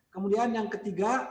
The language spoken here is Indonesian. kemudian yang ketiga